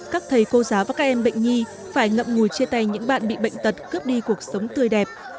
các thầy cô giáo và các em bệnh nhi phải ngậm ngùi chia tay những bạn bị bệnh tật cướp đi cuộc sống tươi đẹp